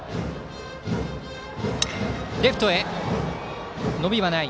レフトへ伸びはない。